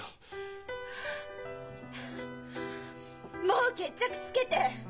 もう決着つけて！